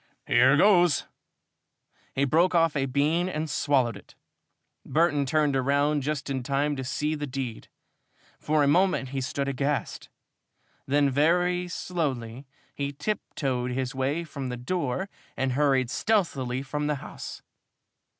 "Here goes!" He broke off a brown bean and swallowed it. Burton turned round just in time to see the deed. For a moment he stood aghast. Then very slowly he tiptoed his way from the door and hurried stealthily from the house.